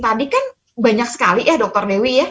tadi kan banyak sekali ya dr dewi